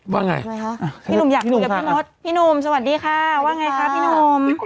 ว่าไงคะพี่หนุ่มอยากคุยกับพี่มดพี่หนุ่มสวัสดีค่ะว่าไงคะพี่หนุ่ม